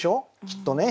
きっとね。